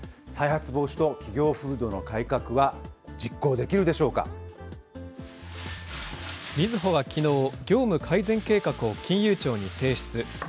再発防止と企業風土の改革は実行みずほはきのう、業務改善計画を金融庁に提出。